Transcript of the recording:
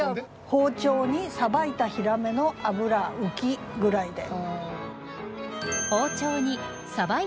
「包丁にさばいたヒラメの脂浮き」ぐらいで。